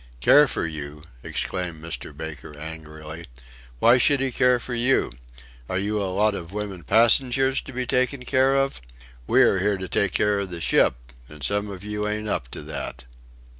"Care for you!" exclaimed Mr. Baker, angrily. "Why should he care for you? Are you a lot of women passengers to be taken care of? We are here to take care of the ship and some of you ain't up to that.